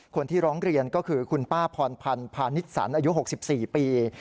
คนที่ร้องเรียนก็คือคุณป้าพรพันธ์พาณิชสันอายุ๖๔ปี